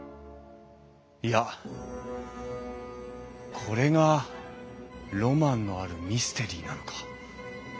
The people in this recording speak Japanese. いやこれがロマンのあるミステリーなのか。